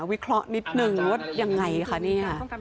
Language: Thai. วิเคราะห์นิดนึงว่ายังไงคะเนี่ย